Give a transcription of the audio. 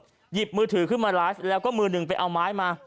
หยิบมือถือขึ้นมาไลฟ์แล้วก็มือหนึ่งไปเอาไม้มา